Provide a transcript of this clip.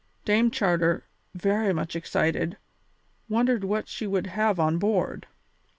Dame Charter, very much excited, wondered what she would have on board.